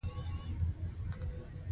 احمد هسې پر اوبو خطې کاږي.